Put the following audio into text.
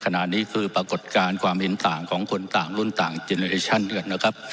ขณะนี้คือปรากฏการณ์ความเห็นต่างของคนต่างรุ่นต่างนะครับ